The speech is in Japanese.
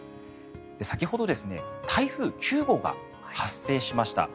先ほど、台風９号が発生しました。